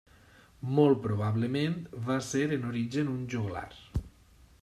Molt probablement va ser en origen un joglar.